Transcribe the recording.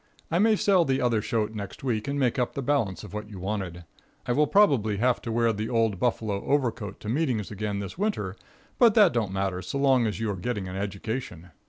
I may sell the other shote next week and make up the balance of what you wanted. I will probably have to wear the old buffalo overcoat to meetings again this winter, but that don't matter so long as you are getting an education.